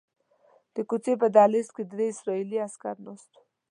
د کوڅې په دهلیز کې درې اسرائیلي عسکر ناست وو.